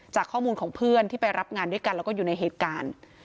จากข้อมูลของเพื่อนที่ไปรับงานด้วยกันแล้วก็อยู่ในเหตุการณ์